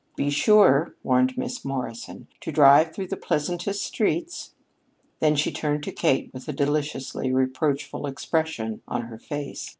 "Be sure," warned Miss Morrison, "to drive through the pleasantest streets." Then she turned to Kate with a deliciously reproachful expression on her face.